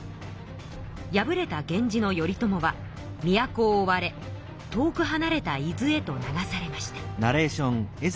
敗れた源氏の頼朝は都を追われ遠くはなれた伊豆へと流されました。